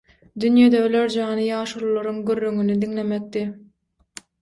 Dünýede öler jany ýaşulularyň gürrüňini diňlemekdi.